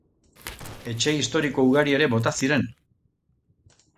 Etxe historiko ugari ere bota ziren.